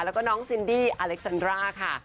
แล้วก็น้องซินดี้อเล็กซันร่าค่ะ